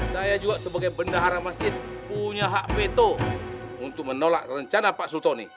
saya juga sebagai bendahara masjid punya hak veto untuk menolak rencana pak sultoni